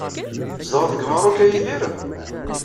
Tzedɣeḍ deg Meṛṛuk a Yidir?